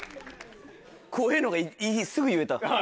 こういうのがすぐ言えた。